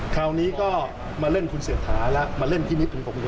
คราวนี้ก็มาเล่นคุณเศรษฐาแล้วมาเล่นพินิษฐ์ของผม